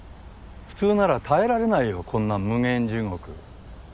普通なら耐えられないよこんな無間地獄。